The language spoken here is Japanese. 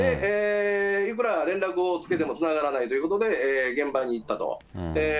いくら連絡をつけてもつながらないということで、現場に行ったと。